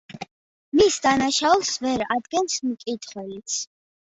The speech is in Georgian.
მის დანაშაულს ვერ ადგენს მკითხველიც.